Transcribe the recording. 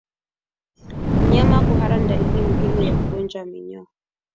Mnyama kuhara ni dalili muhimu ya ugonjwa wa minyoo